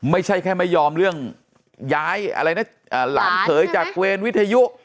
ไม่ใช่แค่ไม่ยอมเรื่องย้ายอะไรนะหลานเขยจากเวรวิทยุ